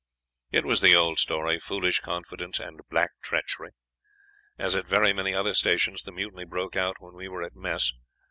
It was the old story, foolish confidence and black treachery. As at very many other stations, the mutiny broke out when we were at mess.